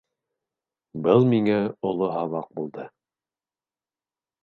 Был миңә оло һабаҡ булды.